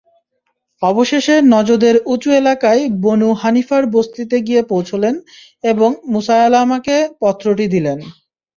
অবশেষে নজদের উঁচু এলাকায় বনু হানীফার বস্তিতে গিয়ে পৌঁছলেন এবং মুসায়লামাকে পত্রটি দিলেন।